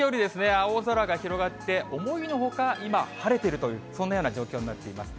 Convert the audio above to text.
青空が広がって、思いのほか、今、晴れてるという、そんなような状況になっています。